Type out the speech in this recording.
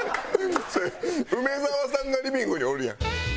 それ梅沢さんがリビングにおるやん。